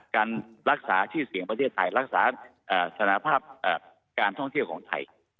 การรักษาชื่อเสียงประเทศไทยรักษาสนภาพการท่องเที่ยวของไทย